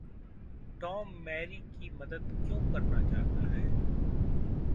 Tom Mary की मदद क्यों करना चाहता है?